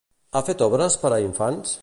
Ha fet obres per a infants?